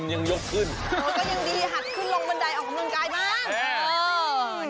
ก็ยังดีหักขึ้นลงบันไดออกกำลังกายบ้าง